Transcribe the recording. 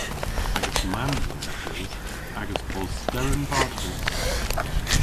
Agas mamm-wynn a grys agas bos steren varthys.